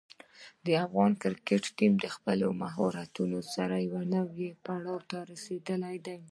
د افغان کرکټ ټیم د خپلو مهارتونو سره یوه نوې پړاو ته رسېدلی دی.